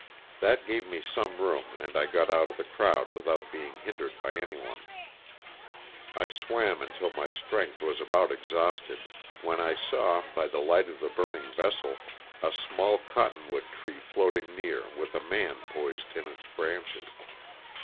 That gave me some room and I got out of the crowd without being hindered by anyone. I swam until my strength was about exhausted, when I saw, by the light of the burn ing vessel, a small cotton wood tree floating near with a man poised in its branches.